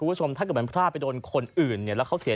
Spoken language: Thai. คุณผู้ชมถ้าเกิดมันพลาดไปโดนคนอื่นเนี่ยแล้วเขาเสีย